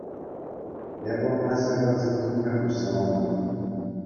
Эпӗ ӑна ҫӑкӑр сӑмсине хуҫса патӑм.